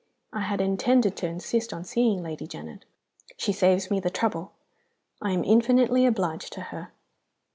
I had intended to insist on seeing Lady Janet: she saves me the trouble. I am infinitely obliged to her.